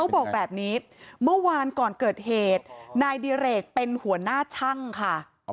บอกแบบนี้เมื่อวานก่อนเกิดเหตุนายดิเรกเป็นหัวหน้าช่างค่ะ